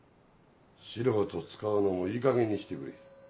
素人使うのもいいかげんにしてくれ。